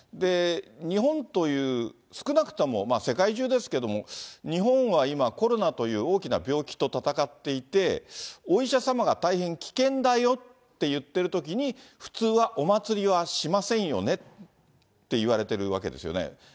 日本という、少なくとも、世界中ですけども、日本は今、コロナという大きな病気と闘っていて、お医者様が大変危険だよって言ってるときに、普通はお祭りはしませんよねって言われてるわけですよね。